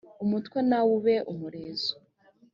umutwe nawe ube umurizo